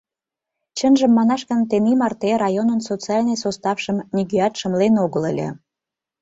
Чынжым манаш гын, тений марте районын социальный составшым нигӧат шымлен огыл ыле.